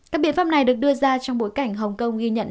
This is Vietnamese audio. các biện pháp này được đưa ra trong bối cảnh hồng kông ghi nhận